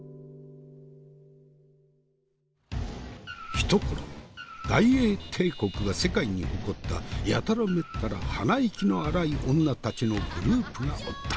ひところ大英帝国が世界に誇ったやたらめったら鼻息の荒い女たちのグループがおった。